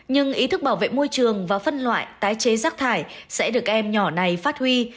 nhưng ý thức bảo vệ môi trường và phân loại tái chế rác thải sẽ được các em nhỏ này phát huy